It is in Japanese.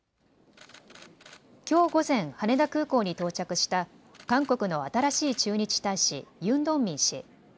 きょう午前、羽田空港に到着した韓国の新しい駐日大使、ユン・ドンミン氏。